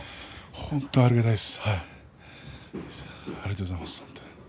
本当にありがたいです。